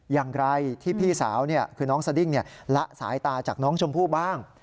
อย่างไรที่พี่สาวคือน้องสดิ้งละสายตาจากน้องชมพู่บ้าง